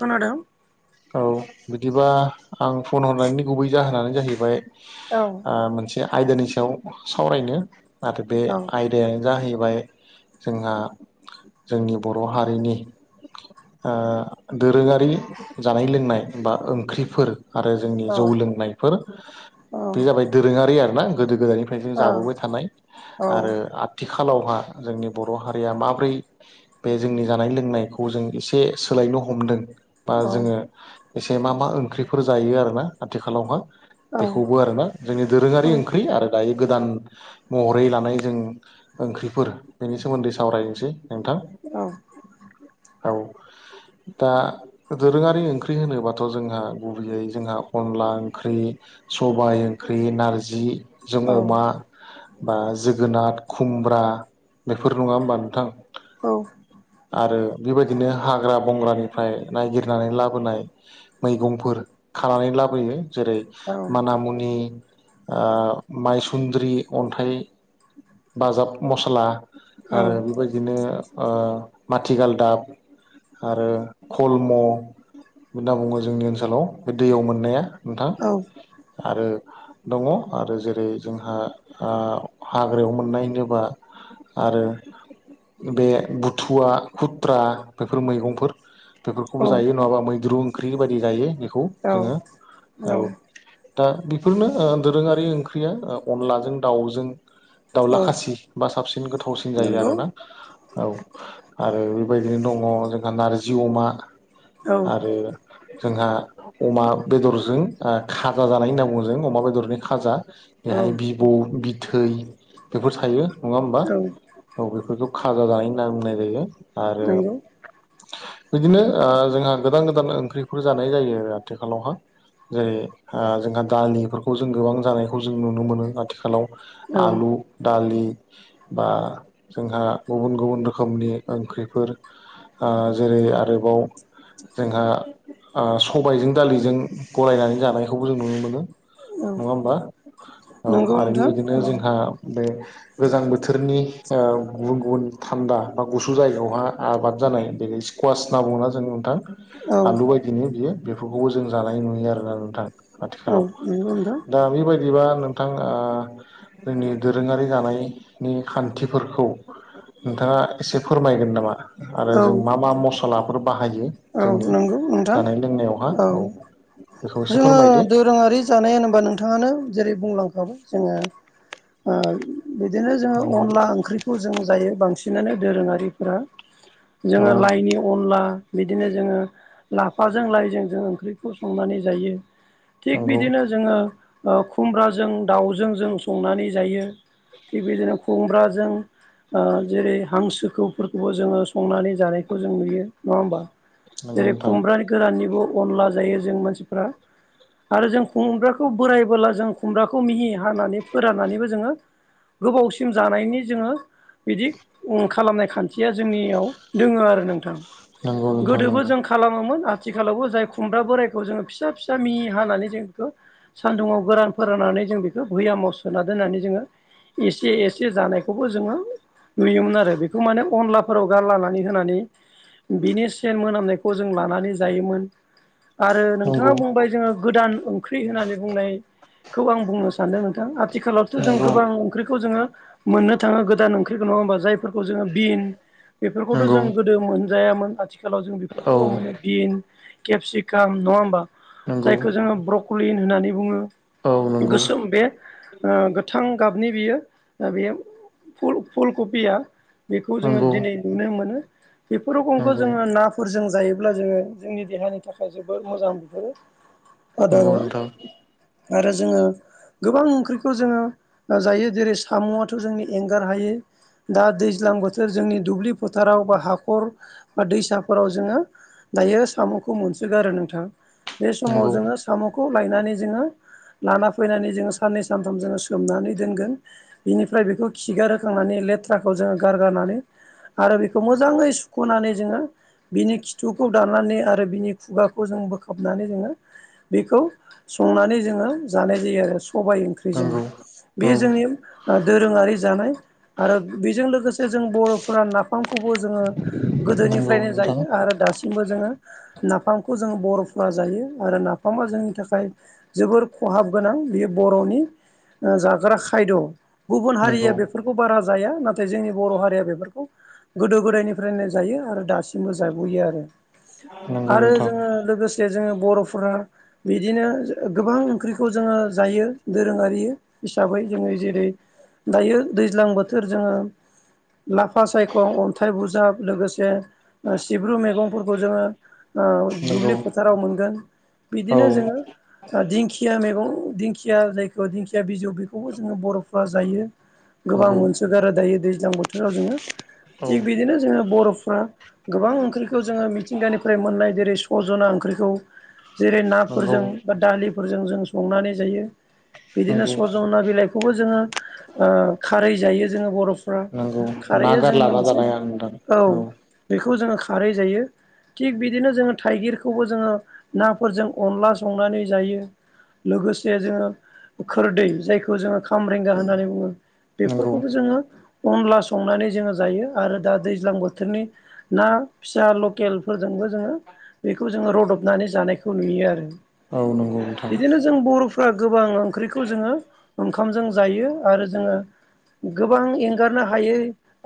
खोनादों? औ बिदिबा आं फन हरनायनि गुबै जाहोनानो जाहैबाय औ ओ मोनसे आयदानि सायाव सावरायनो आरो बे औ आय दायानो जाहैबाय जोंहा जोंनि बर' हारिनि ओ दोरोङारि जानाय लोंनाय बा ओंख्रिफोर आरो जोंनि औ जौ लोंनायफोर औ बे जाबाय दोरोङारि आरोना गोदो गोदायनिफ्राय जों जाबोबाय थानाय औ आरो थिखालावहा जोंनि बर' हारिया माब्रै बे जोंनि जानाय लोंनायखौ जों एसे सोलायनो हमदों। बा औ जोङो एसे मा मा ओंख्रिफोर जायो आरोना आथिखालावहा। बेखौबो आरोना जोंनि दोरोङारि ओंख्रि आरो दायो गोदान महरै लानाय जों ओंख्रिफोर। बेनि सोमोन्दै सावरायनोसै नोंथां औ दा दोरोङारि ओंख्रि होनोबाथ' जोंहा गुबैयै जोंहा अनला ओंख्रि सबाय ओंख्रि, नारजिजों अमा बा जोगोनाथ, खुमब्रा बेफोर नङा होमबा नोंथां? औ आरो बेबायदिनो हाग्रा बंग्रानिफ्राय नायगिरनानै लाबोनाय मैगंफोर खानानै लाबोयो। जेरै मानामुनि ओ माइसुन्द्रि, अन्थाइ बाजाब मस्ला आरो बेबायदिनो ओ माथिगालदाब आरो कलम' होनना बुङो जोंनि ओनसोलाव बे दैयाव मोननाया नोंथां आरो दङ आरो जेरै जोंहा ओ हाग्रायाव मोननायनोबा आरो बे बुथुवा, खुथ्रा बेफोर मैगंफोर। बेफोरखौबो जायो नङाबा मैद्रु ओंख्रि बायदि जायो बेखौ जोङो औ औ दा बेफोरनो ओ दोरोङारि ओंख्रिया ओ अनलाजों दाउजों दाउला औ खासि बा साबसिन गोथावसिन जायो नंगौ आरो ना। औ आरो बेबायदिनो दङ जोंहा नारजि अमा। औ आरो जोंहा अमा बेदरजों ओ खाजा जानाय होनना बुङो जों अमा बेदरनि खाजा। औ बेहाय भब' बिथै बेफोर थायो नङा होमबा। औ बेफोरखौ खाजा जानाय होनना बुंनाय जायो। आरो नंगौ बिदिनो ओ जोंहा गोदान गोदान ओंख्रिफोर जानाय जायो आरो आथिखालावहाय। जेरै ओ जोंहा दालिफोरखौ जों गोबां जानायखौ जों नुनो मोनो आथिखालाव औ आलु दालि बा जोंहा गुबुन गुबुन रोखोमनि ओंख्रिफोर ओ जेरै आरोबाव ओ जोंहा सबायजों दालिजों गलायनानै जानायखौबो जों नुनो मोनो। औ नङा होमबा औ नंगौ आरो नोंथां बेबायदिनो औ जोंहा बे गोजां बोथोरनि ओ गुबुन गुबुन थान्दा बा गुसु जायगायावहा आबाद जानाय बेबादि स्कुवासना होनना बुङा जों नोंथां? औ आलु बायदिनो बियो बेफोरखौबो जों जानाय नुयो आरोना नोंथां। औ आथिखालाव नंगौ नोंथां दा बेबायदि दिबा नोंथां ओ जोंनि दोरोङारि जानायनि खान्थिफोरखौ नोंथाङा एसे फोरमायगोन नामा आरो औ जों मा मा मस्ला औ नंगौ नोंथां लोंनायावहा औ बेखौ औ एसे जोङो फोरमायदो दोरोङारि जानाय होनोबा नोंथाङानो जेरै बुंलांखाबाय जोङो ओ बिदिनो जोङो नंगौ अनला ओंख्रि खौ जों जायो बांसिनानो दोरोङारिफोरा औ जोङो लाइनि अनला, बिदिनो जोङो लाफाजों लाइजों जों ओंख्रिखौ संनानै जायो थिग नंगौ बिदिनो जोंङो ओ खुमब्राजों दाव जों संनानै जायो थिग बिदिनो खुमब्राजों ओजेरै हांसोखौफोरखौबो जोङो संनानै जानायखौ जों नुयो। नङा होमबा? नंगौ जेरै नोंथां खुमब्रानि गोराननिबो अनला जायो जों मानसिफ्रा आरो जों खुमब्राखौ बोरायबोला जों खुमब्राखौ मिहि हानानै फोराननानैबो जोङो गोबावसिम जानायनि जोङो बिदि उम खालामनाय खान्थिया जोंनियाव दोङो आरो नोंथां। नंगौ नोंथां गोदोबो नंगौ जों खालामोमोन आथिखालावबो जाय खुमब्रा बोरायखौ जोङो फिसा फिसा मि हानानै जों बेखौ सान्दुङाव गोरान फोराननानै जों बेखौ भैयामाव सोना दोननानै जोङो एसे एसे जानायखौबो जोङो नुयोमोन आरो बेखौ माने अनलाफोराव गारलानानै होनानै बिनि सेन मोनामनायखौ जों लानानै जायोमोन। आरो नोंथाङा बुंबाय जोङो गोदान ओंख्रि होननानै बुंनायखौ आं बुंनो सानदों नोंथां। आथिखालावथ' जों नंगौ गोबां ओंख्रिखौ जोङो मोननो थाङो गोदान ओंख्रिखौ नङा होनोमबा जायफोरखौ जोङो बिन बेफोरखौथ' नंगौ नंगौ जों गोदो मोनजायामोन आथिखालाव जों औ बेफोरखौबो मोनो। बिन, केपसिकाम नङा होमबा नंगौ जायखौ जोङो ब्रक'लिन होननानै बुङो। औ नंगौ गोसोम बे गोथां गाबनि बियो बेयो फुलकबिया बेखौ जोङो नंगौ दिनै नुनो मोनो बेफोर गंखौ नंगौ नाफोरजों जायोब्ला जोङो जोंनि देहानि थाखाय जोबोर मोजां बिफोरो आदार नंगौ नोंथां आरो जोङो गोबां ओंख्रिखौ जोङो जायो जेरै साम'आथ' जोंनि एंगार हायै दा दैज्लां बोथोर जोंनि दुब्लि फोथाराव बा हाखर बा दैसाफोराव जोङो दायो साम'खौ मोनसोगारो नोंथां। बे समाव नंगौ जोङो साम'खौ लायनानै जोङो लाना फैनानै जोङो साननै सानथाम जोङो सोमनानै दोनगोन। बिनिफ्राय बेखौ खिगार होखांनानै लेथ्राखौ जोङो गारगारनानै आरो बेखौ मोजाङै सुख'नानै जोङो बिनि खिथुखौ दाननानै आरो बिनि खुगाखौ जों बोखाबनानै जोङो बेखौ संनानै जोङो जानाय जायो आरो सबाय ओंख्रि। नंगौ। औ बे जोंनि दोरोङारि जानाय। आरो बेजों लोगोसे जों बर'फोरा नाफामखौबो जोङो नंगौ गोदोनिफ्रायनो नोंथां जायो आरो दासिमबो जोङो नाफामखौ जों बर'फोरा जायो आरो नाफामा जोंनि थाखाय जोबोर खहाब गोनां बेयो बर'नि ओ जाग्रा खायद'। गुबुन हारिया नंगौ बेफोरखौ बारा जाया नाथाय जोंनि बर' हारिया बेफोरखौ गोदो गोदायनिफ्रायनो जायो आरो दासिमबो जागुयो आरो नंगौ आरो नोंथां जोङो लोगोसे जे जोङो बर'फोरा बिदिनो गोबां ओंख्रिखौ जोङो जायो। दोरोङारि हिसाबै जोङो जेरै दायो दैज्लां बोथोर जोङो लाफा सायखं अन्थाइ बुजाब लोगोसे ओ सिब्रु मैगंफोरखौ जोङो ओ नंगौ दुब्लि फोथाराव मोनगोन। औ बिदिनो जोङो दिंखिया मैगं दिंखिया जायखौ दिंखिया बिजौ बेखौबो जोङो बर'फ्रा जायो। गोबां नंगौ मोनसोगारो दायो दैज्लां बोथोराव जोङो औ थिग बिदिनो जोङो बर'फ्रा गोबां ओंख्रिखौ जोङो मिथिंगानिफ्राय मोननाय जेरै सजना ओंख्रिखौ जेरै नंगौ नाफोरजों बा दालिफोरजों जों संनानै जायो बिदिनो नंगौ सज' ना बिलाइ बेखौबो जोङो ओ खारै जायो जोङो बर'फ्रा खारैआ जोंनि मोनसे औ नोंथां। औ बेखौ जोङो खारै जायो। थिग बिदिनो जोङो थाइगिरखौबो जोङो नाफोरजों अनला संनानै जायो। लोगोसे जोङो खोरदै जायखौ जोङो खामरेंगा होननानै बुङो। नंगौ बेफोरखौबो जोङो अनला संनानै जोङो जायो आरो दा दैज्लां बोथोरनि ना फिसा लकेलफोरजोंबो जोङो बेखौ जोङो रदबनानै जानायखौ नुयो आरो। औ नंगौ नोंथां। बिदिनो जों बर'फ्रा गोबां ओंख्रिखौ जोङो ओंखामजों जायो आरो जोङो गोबां एंगारनो हायै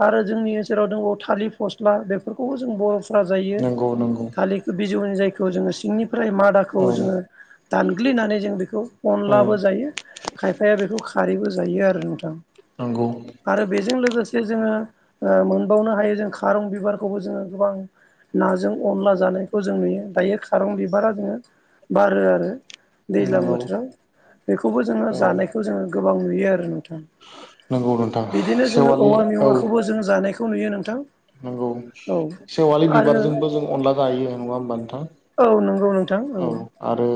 आरो जोंनि ओनसोलाव दङ थालिर फस्ला बेफोरखौबो जों बर'फोरा जायो नंगौ नंगौ थालिर बिजौनि जायखौ जोङो सिंनिफ्राय मादाखौ औ जोङो दानग्लिनानै जों बेखौ औ अनलाबो जायो खायफाया बेखौ खारैबो जायो आरो नोंथां। नंगौ। आरो बेजों लोगोसे जोङो ओ मोनबावनो हायो जों खारं बिबारखौबो जोङो गोबां नाजों अनला जानायखौ जों नुयो दायो खारं बिबारा जोङो बारो आरो। दैज्लां नंगौ बोथोराव बेखौबो जोङो औ जानायखौ जोङो गोबां नुयो आरो नोंथां। नंगौ नोंथां बिदिनो जोङो सेवालि औवा औ मेवाखौबो जों जानायखौ नुयो नोंथां। नंगौ औ सेवालि आरो बिबारजोंबो जों अनला जायो नङा होमबा नोंथां। औ नंगौ नोंथां औ आरो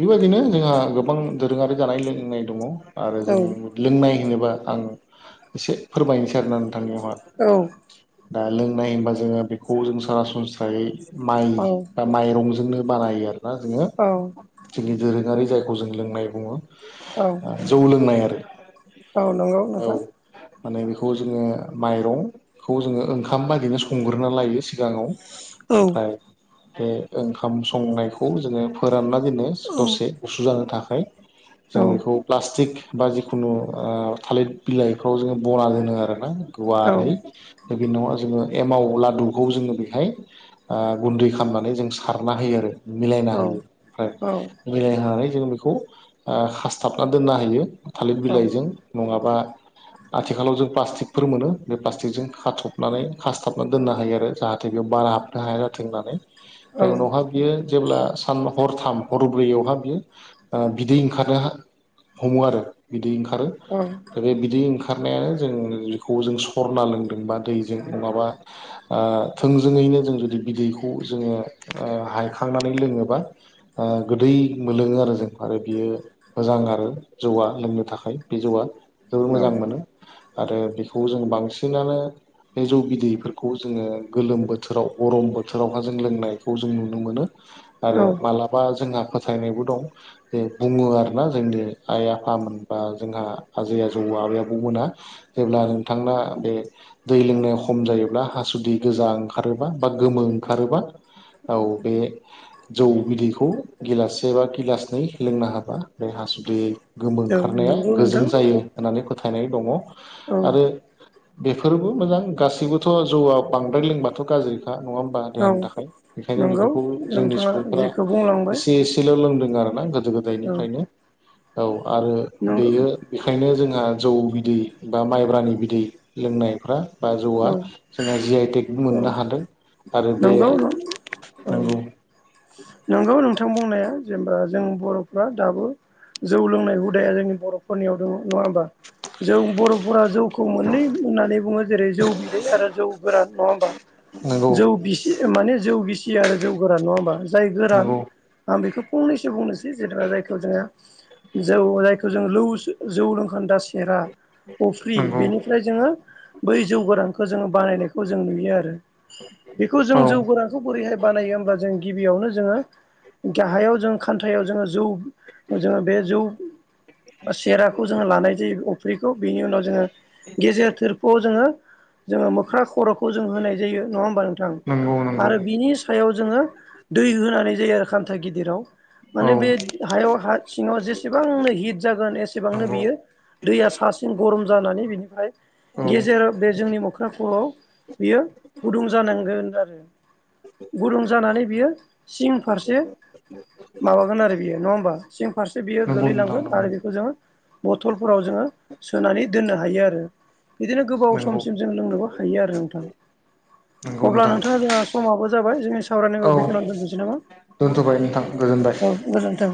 बेबायदिनो जोंहा गोबां दोरोङारि जानाय लोंनाय दङ आरो औ जों लोंनाय होनोबा आं एसे फोरमायनोसै आरोना नोंथांनियावहा औ दा लोंनाय होनबा जोङो बेखौ जों सरासनस्रायै माइ औ बा माइरंजोंनो बानायो आरोना जोङो। औ जोंनि दोरोङारि जायखौ जों लोंनाय बुङो। औ जौ लोंनाय आरो औ नंगौ औ नोंथां माने बेखौ जोङो माइरं खौ जोङो ओंखाम बायदिनो संग्रोना लायो सिगाङाव। औ। ओमफ्राय बे ओंखाम संनायखौ जोङो फोरानना दोनो औ दसे। गुसु जानो थाखाय जों औ बेखौ प्लास्टिक बा जिखुनु ओ‌ थालिर बिलाइफ्राव जोङो बना दोनो आरोना। गुवारै औ आरोहाय बेखौ जोङो एमाव लादुखौ जोङो बेहाय ओ गुन्दै खालामनानै जों सारना होयो आरो मिलायना औ होयो ओमफ्राय बिलाइ होनानै जों बेखौ खासथाबना दोननो हायो थालिर बिलाइजों नङाबा आथिखालाव जों प्लास्टिकफोर मोनो बे प्लास्टिकजों खाथबनानै खासथाबनानै दोननो हायो आरो जाहाथे बेयाव बारा हाबनो हाया जाथों होननानै औ ओमफ्राय उनावहााय बियो जेब्ला सान हरथाम हरब्रैयावहा बियो ओ बिदै ओंखारनो हमो आरो बिदै ओंखारो औ दा बे बिदै ओंखारनायानो जों बेखौ जों सरना लोङो बा दैजों नङाबा ओ थोंजोङैनो जों जुदि बिदैखौ जोङो हायखांनानै लोङोबा ओ गोदै मोनोलोङो आरो जों आरो बियो मोजां आरो जौआ लोंनो थाखाय बे जौआ जोबोर औ मोजां मोनो आरो बेखौ जों बांसिनानो बे जौ बिदैफोरखौ जोङो गोलोम बोथोराव गरम बोथोरावहा जों लोंनाय खौ जों नुनो मोनो आरो औ मालाबा जोंहा फोथायनायबो दं बे बुङो आरोना जोंनि आइ -आफामोन बा जोंहा आजै -आजौ आबै -आबौमोना जेब्ला नोंथांना बे दै लोंनायाव खम जायोब्ला हासुदै गोजा ओंखारोबा बा गोमो ओंखारोबा औ बे जौ बिदैखौ गिलाससे बा गिलासनै लोंनो हाबा बे हासुदै गोमो औ ओंखारनाया नंगौ गोजों नोंथां जायो होननानै फोथायनाय दङ औ आरो बेफोर फोरबो मोजां गासैबोथ' जौआ बांद्राय लोंबाथ' गाज्रिखा नङा बा औ देहानि थाखाय बेखायनो नंगौ बेफोरखौ जोंनि नोंथाङा सुबुंफोरा जेखौ बुंलांबाय एसे एसेल' लोंदों आरोना गोदो- औ गोदायनिफ्रायनो औ आरो नंगौ बेयो बेखायनो जोंहा जौ बिदै बा माइब्रानि बिदै लोंनायफ्रा बा औ जौआ जोंहा जि आइ टेकबो औ मोननो हादों आरो बे नंगौ औ नंगौ। नोंगौ नोंथां बुंनाया जेनेबा जों बर'फ्रा दाबो जौ लोंनाय हुदाया जोंनि बर'फोरनियाव दङ नङा होनोमबा जों बर'फोरा जौखौ मोननै होननानै बुङो जेरै जौ बिदै आरो जौ गोरान नङा होमबा नोंगौ‌। जौ गिसि माने जौ गिसि आरो जौ गोरान नङा होमबा जाय गोरान नंगौ आं बेखौ फंनैसो बुंनोसै जेनेबा जायखौ जोङो जौ जायखौ जों लौ जौ लोंखान्दा सेरा अफ्रि नंगौ बेनिफ्राय जोङो बै जौ गोरानखौ जोङो बानायनायखौ जों नुयो आरो बेखौ जों औ जौ गोरानखौ बोरैहाय बानायो होमब्ला जों गिबियावनो जोङो गाहायाव जो खान्थायाव जोङो जौ जोङो बे जौ सेराखौ जोङो लानाय जायो अफ्रिखौ बेनि उनाव जोङो गेजेर थोर्फुआव जोङो जोङो मोख्रा खर'खौ जों होनाय जायो नङा होमबा नोंथां नंगौ नंगौ आरो बिनि सायाव जोङो दै होनानै जायो आरो हान्था गिदिराव औ माने बे हायाव हा सिङाव जेसेबांनो हिट जागोन एसेबांनो नंगौ बियो दैया सासिन गरम जानानै बिनिफ्राय औ गेजेर बे जोंनि मोख्रांखाव बियो गुदुं जानांगोन आरो गुदुं जानानै बियो सिं फारसे माबागोन आरो बियो नङा होमबा सिं फारसे बियो नंगौ नोंथां गोलैलांगोन नंगौ आरो बेखौ जोङो बथलफोराव जोङो सोनानै दोननो हायो आरो। बिदिनो गोबाव नंगौ समसिम जों लोंनोबो हायो आरो नोंथां। नंगौ अब्ला नोंथां नोंथाङा जोंहा समाबो जाबाय जोंनि औ सावरायनायाव दोनथ'बाय नोंथां गोजोनबाय [unintelligible] औ गोजोनथों।